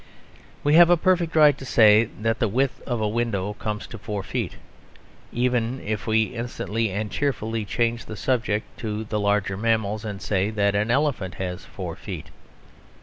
We have a perfect right to say that the width of a window comes to four feet; even if we instantly and cheerfully change the subject to the larger mammals; and say that an elephant has four feet.